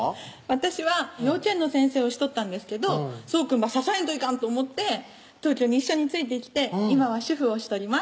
私は幼稚園の先生をしとったんですけどそうくんば支えんといかんと思って東京に一緒についてきて今は主婦をしとります